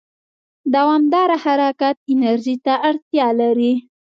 دوامداره حرکت انرژي ته اړتیا لري.